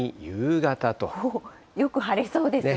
よく晴れそうですね。